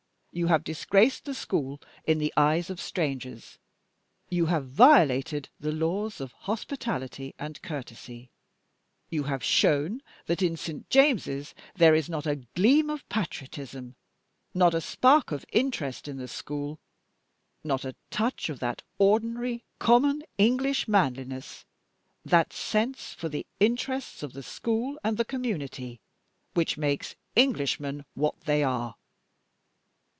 You have disgraced the school in the eyes of strangers; you have violated the laws of hospitality and courtesy; you have shown that in St. James's there is not a gleam of patriotism, not a spark of interest in the school, not a touch of that ordinary common English manliness, that sense for the interests of the school and the community which makes Englishmen what they are.